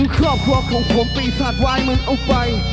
ครอบครัวของผมปีศาจวายเหมือนเอาไฟ